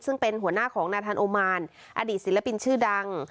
ซึ่งเป็นหัวหน้าของนาธานโอมานอดีตศิลปินชื่อดัง